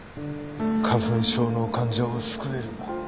花粉症の患者を救える。